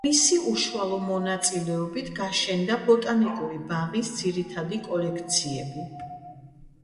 მისი უშუალო მონაწილეობით გაშენდა ბოტანიკური ბაღის ძირითადი კოლექციები.